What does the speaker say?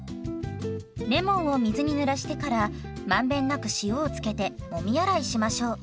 レモンを水にぬらしてから満遍なく塩を付けてもみ洗いしましょう。